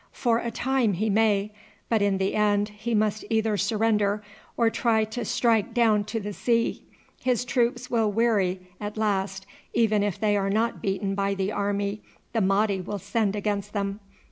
"For a time he may, but in the end he must either surrender or try to strike down to the sea. His troops will weary at last even if they are not beaten by the army the Mahdi will send against them.